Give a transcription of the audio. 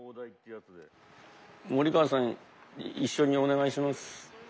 森川さん一緒にお願いします。